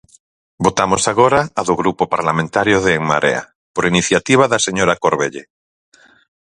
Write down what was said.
Votamos agora a do Grupo Parlamentario de En Marea, por iniciativa da señora Corvelle.